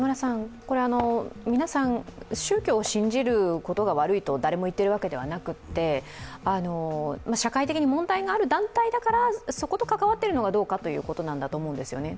皆さん、宗教を信じることが悪いと、誰も言っているわけではなくて、社会的に問題がある団体だから、そこと関わっているのがどうかということだと思うんですよね。